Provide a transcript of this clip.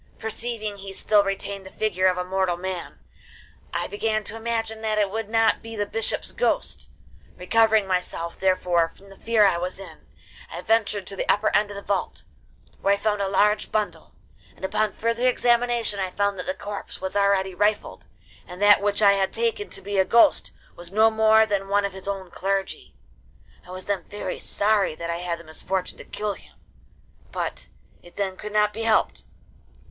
Perceiving he still retained the figure of a mortal man, I began to imagine that it could not be the bishop's ghost; recovering myself therefore from the fear I was in, I ventured to the upper end of the vault, where I found a large bundle, and upon further examination I found that the corpse was already rifled, and that which I had taken to be a ghost was no more than one of his own clergy. I was then very sorry that I had the misfortune to kill him, but it then could not be helped.